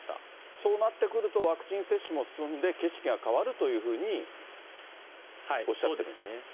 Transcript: そうなってくると、ワクチン接種も進んで、景色が変わるというふうにおっしゃってるんですね。